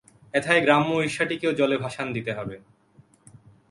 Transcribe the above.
এথায় গ্রাম্য ঈর্ষাটিকেও জলে ভাসান দিতে হবে।